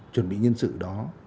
chuẩn bị nhân sự đó